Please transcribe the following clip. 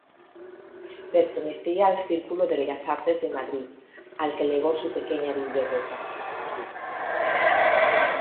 Pertenecía al Círculo de Bellas Artes de Madrid, al que legó su pequeña biblioteca.